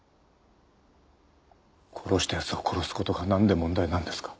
殺した奴を殺す事がなんで問題なんですか？